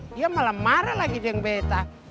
dia malah marah lagi dengan beta